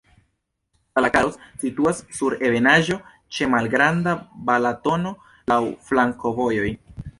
Zalakaros situas sur ebenaĵo, ĉe malgranda Balatono, laŭ flankovojoj.